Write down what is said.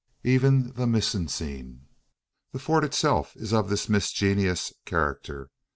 Even the mise en scene the Fort itself is of this miscegenous character.